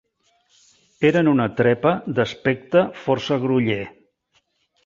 Eren una trepa d'aspecte força groller